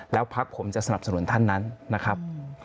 แล้วพักผมจะสนับสนุนท่านนั้นนะครับ